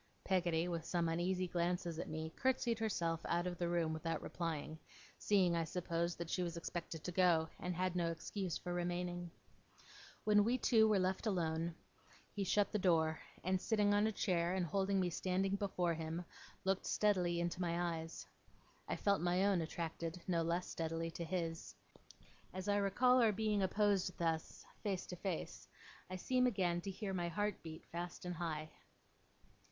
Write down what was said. Peggotty, with some uneasy glances at me, curtseyed herself out of the room without replying; seeing, I suppose, that she was expected to go, and had no excuse for remaining. When we two were left alone, he shut the door, and sitting on a chair, and holding me standing before him, looked steadily into my eyes. I felt my own attracted, no less steadily, to his. As I recall our being opposed thus, face to face, I seem again to hear my heart beat fast and high.